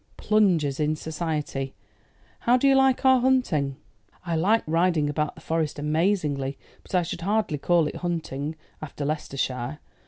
plungers in society. How do you like our hunting?" "I like riding about the Forest amazingly; but I should hardly call it hunting, after Leicestershire.